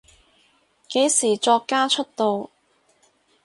幾時作家出道？